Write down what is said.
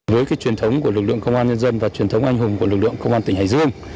với cái truyền thống của lực lượng công an nhân dân và truyền thống anh hùng của lực lượng công an tỉnh hải dương